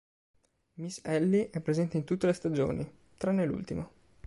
Miss Ellie è presente in tutte le stagioni, tranne l'ultima.